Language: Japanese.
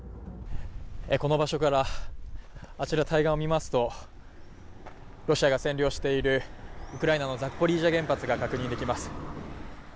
この場所から対岸を見ますと、ロシアが占領しているウクライナのザポリージャ原発が確認できます。